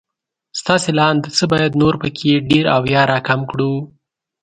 ستاسې له انده څه بايد نور په کې ډېر او يا را کم کړو